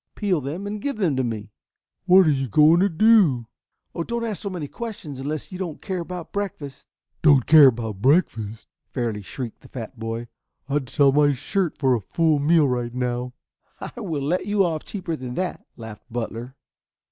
Peel them and give them to me." "What are you going to do?" "Oh, don't ask so many questions, unless you don't care about breakfast." "Don't care about breakfast?" fairly shrieked the fat boy. "I'd sell my shirt for a full meal right now." "I will let you off cheaper than that," laughed Butler.